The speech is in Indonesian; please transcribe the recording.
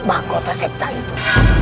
makota septa itu